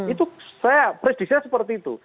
itu saya predisi saya seperti itu